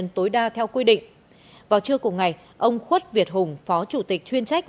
theo quy định vào trưa cùng ngày ông khuất việt hùng phó chủ tịch chuyên trách